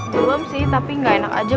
belum sih tapi nggak enak aja